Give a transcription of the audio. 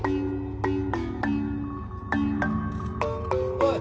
・おい。